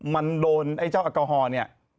มันโดนเจ้าแอลกอฮอล์